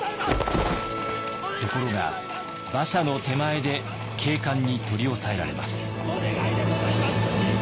ところが馬車の手前で警官に取り押さえられます。